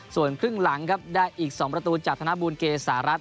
ส่วนครึ่งหลังครับได้อีก๒ประตูจากธนบูลเกษารัฐ